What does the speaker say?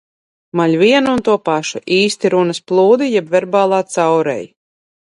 Maļ vienu un to pašu - īsti runas plūdi jeb verbālā caureja.